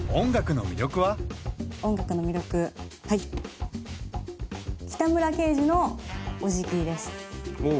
音楽の魅力はい北村刑事のお辞儀ですおう